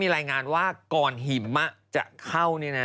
มีรายงานว่าก่อนหิมจะเข้านี่นะ